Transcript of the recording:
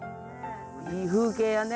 いい風景やね。